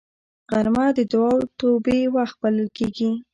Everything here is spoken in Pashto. غرمه د دعا او توبې وخت بلل کېږي